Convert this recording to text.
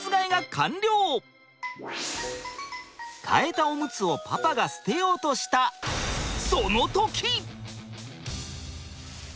替えたオムツをパパが捨てようとしたその時！